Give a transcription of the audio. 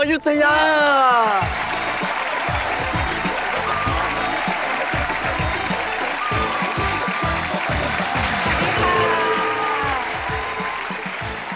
ขอบคุณครับ